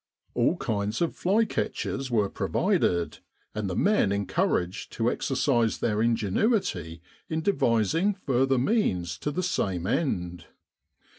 All kinds of fly catchers were provided, and the men encouraged to exercise their ingenuity in devising further means to the same end.